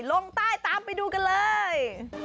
ลงใต้ตามไปดูกันเลย